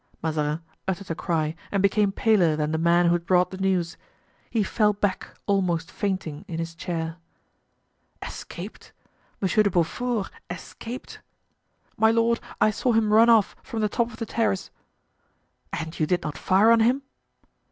Mazarin uttered a cry and became paler than the man who had brought the news. He fell back, almost fainting, in his chair. "Escaped? Monsieur de Beaufort escaped?" "My lord, I saw him run off from the top of the terrace." "And you did not fire on him?"